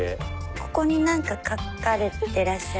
ここに何か書かれてらっしゃる。